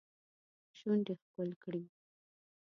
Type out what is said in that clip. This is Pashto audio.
شونډې ښکل کړي